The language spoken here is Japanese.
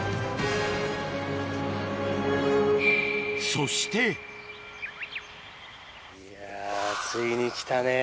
そしていやついに来たね。